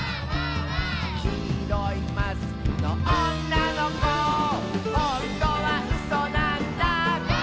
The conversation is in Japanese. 「きいろいマスクのおんなのこ」「ほんとはうそなんだ」